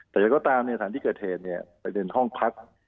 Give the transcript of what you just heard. แต่ยังตามสถานที่เกิดเหตุประเด็นห้องพัก